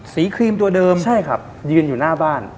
ครีมตัวเดิมใช่ครับยืนอยู่หน้าบ้าน